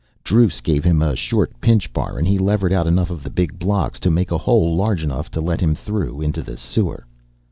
Druce gave him a short pinch bar and he levered out enough of the big blocks to make a hole large enough to let him through into the sewer.